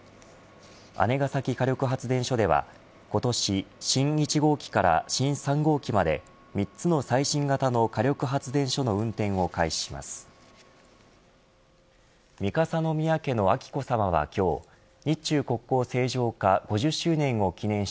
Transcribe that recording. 姉崎火力発電所では今年、新１号機から新３号機まで３つの最新型の火力発電所の運転を開始します。